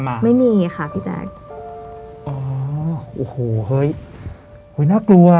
บอกนะคะ